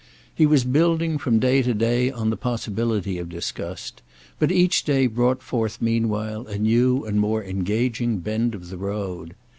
He was building from day to day on the possibility of disgust, but each day brought forth meanwhile a new and more engaging bend of the road.